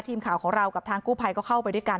ทีมข่าวของเรากับทางกู้ภัยก็เข้าไปด้วยกัน